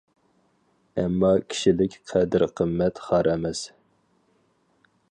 ئەمما كىشىلىك قەدىر-قىممەت خار ئەمەس.